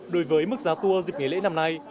đối với mức giá tour dịch nghỉ lễ năm nay